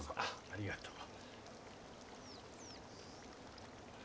ありがとう。